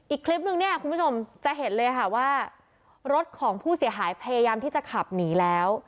อีกคลิปนึงเนี่ยคุณผู้ชมจะเห็นเลยค่ะว่ารถของผู้เสียหายพยายามที่จะขับหนีแล้ว